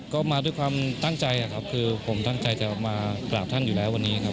ก็มาด้วยความตั้งใจครับคือผมตั้งใจจะมากราบท่านอยู่แล้ววันนี้ครับ